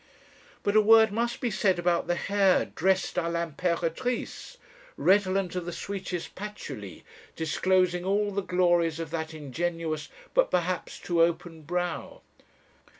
"But a word must be said about the hair dressed à l'imperatrice, redolent of the sweetest patchouli, disclosing all the glories of that ingenuous, but perhaps too open brow.